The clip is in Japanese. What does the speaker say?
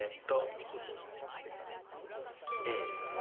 Ａです